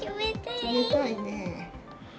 冷たいね。